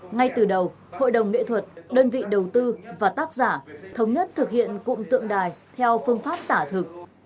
ngay từ đầu hội đồng nghệ thuật đơn vị đầu tư và tác giả thống nhất thực hiện cụm tượng đài theo phương pháp tả thực